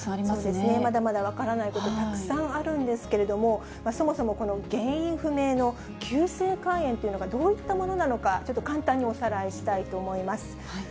まだまだ分からない点、たくさんあるんですけれども、そもそもこの原因不明の急性肝炎というのがどういったものなのか、ちょっと簡単におさらいしたいと思います。